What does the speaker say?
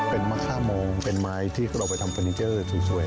เป็นมะค่าโมงเป็นไม้ที่เราไปทำเฟอร์นิเจอร์สวย